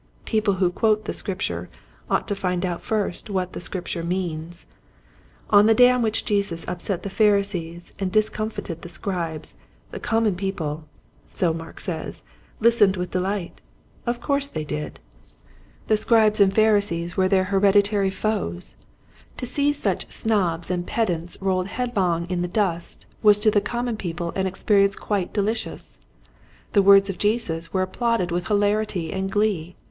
People who quote the Scripture ought to find out first what the Scripture means. On the day on which Jesus upset the Pharisees and discomfited the Scribes the common people, so Mark says, listened with delight. Of course they did. The Desp07idency. 8 1 Scribes and Pharisees were their heredi tary foes. To see such snobs and ped ants rolled headlong in the dust was to the common people an experience quite delicious. The words of Jesus were applauded with hilarity and glee.